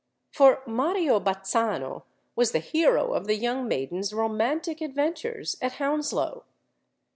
For Mario Bazzano was the hero of the young maiden's romantic adventures at Hounslow!